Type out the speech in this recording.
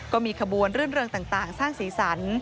ก็มีขบวนเรื่องต่างสร้างศีรษร